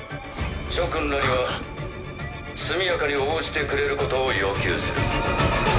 諸君らには速やかに応じてくれることを要求する。